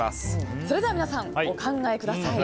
それでは皆さんお考えください。